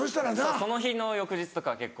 その日の翌日とかは結構。